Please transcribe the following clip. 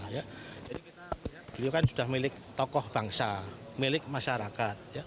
jadi kita lihat beliau kan sudah milik tokoh bangsa milik masyarakat